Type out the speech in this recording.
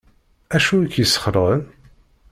Acu i k-yesxelεen?